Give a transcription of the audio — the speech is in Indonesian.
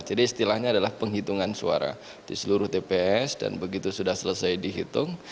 jadi istilahnya adalah penghitungan suara di seluruh tps dan begitu sudah selesai dihitung